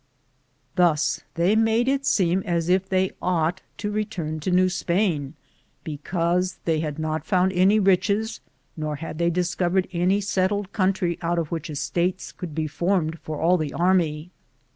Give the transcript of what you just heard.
Thus they made it seem as if they ought to return to New Spain, because they had not found any riches, nor had they discov ered any settled country out of which estates could be formed for all the army.